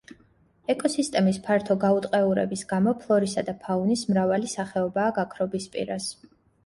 ეკოსისტემის ფართო გაუტყეურების გამო ფლორისა და ფაუნის მრავალი სახეობაა გაქრობის პირას.